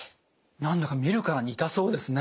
何だか見るからに痛そうですね。